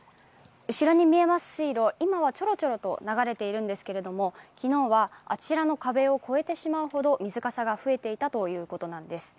後ろに見えます水路、今はチョロチョロと流れているんですが、昨日はあちらの壁を越えてしまうほど水かさが増えていたということです。